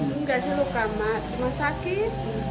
tidak sih luka cuma sakit